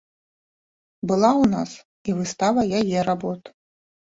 Была ў нас і выстава яе работ.